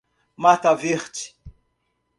Mata Verde